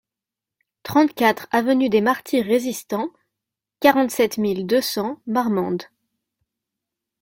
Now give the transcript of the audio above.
trente-quatre avenue des Martyrs Resistanc, quarante-sept mille deux cents Marmande